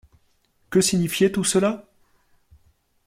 Que signifiait tout cela?